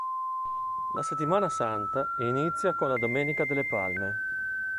La settimana santa inizia con la domenica delle Palme.